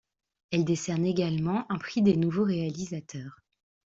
Elle décerne également un prix des nouveaux réalisateurs.